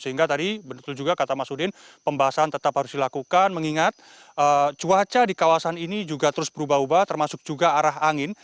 sehingga tadi betul juga kata mas udin pembahasan tetap harus dilakukan mengingat cuaca di kawasan ini juga terus berubah ubah termasuk juga arah angin